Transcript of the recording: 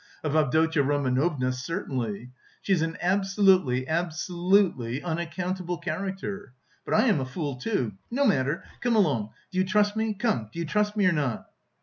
of Avdotya Romanovna certainly. She is an absolutely, absolutely unaccountable character! But I am a fool, too!... No matter! Come along! Do you trust me? Come, do you trust me or not?"